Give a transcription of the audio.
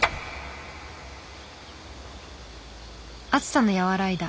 暑さの和らいだ